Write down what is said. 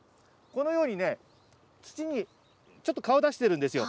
このように土にちょっと顔出してるんですよ。